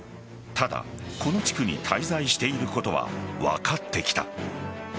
ただ、この地区に滞在していることは分かってきた。